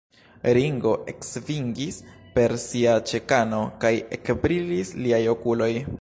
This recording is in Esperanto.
Ringo eksvingis per sia ĉekano, kaj ekbrilis liaj okuloj.